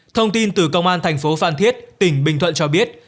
thông tin từ công an thành phố phan thiết tỉnh bình thuận cho biết